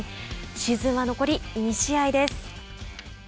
シーズンは残り２試合です。